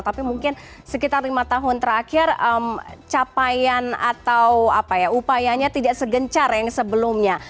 tapi mungkin sekitar lima tahun terakhir capaian atau upayanya tidak segencar yang sebelumnya